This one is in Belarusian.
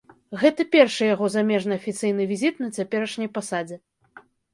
Гэты першы яго замежны афіцыйны візіт на цяперашняй пасадзе.